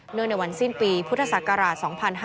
เนื่องในวันสิ้นปีพุทธศักราช๒๕๖๐